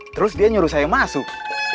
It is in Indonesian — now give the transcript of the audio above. terus dia nyuruh saya masuk